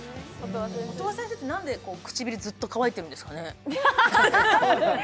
音羽先生って、なんで唇ずっと乾いているんですかね。